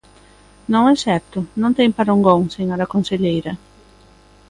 Non é certo, non ten parangón, señora conselleira.